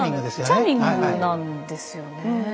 チャーミングなんですよね。